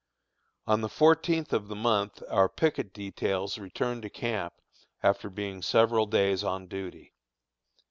On the fourteenth of the month our picket details returned to camp, after being several days on duty.